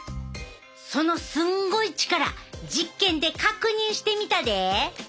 そのすんごい力実験で確認してみたで！